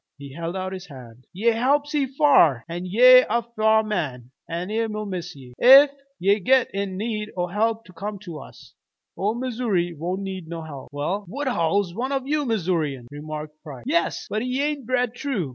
He held out his hand. "Ye helped see f'ar, an' ye're a f'ar man, an' we'll miss ye. Ef ye git in need o' help come to us. Ole Missoury won't need no help." "Well, Woodhull's one of you Missourians," remarked Price. "Yes, but he ain't bred true.